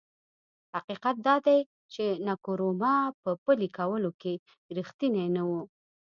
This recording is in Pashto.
حقیقت دا دی چې نکرومه په پلي کولو کې رښتینی نه و.